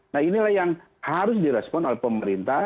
nah inilah yang harus direspon oleh pemerintah